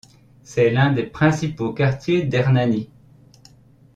C'est l'un des principaux quartiers d'Hernani.